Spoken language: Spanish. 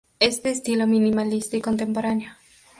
Es de estilo minimalista y contemporáneo.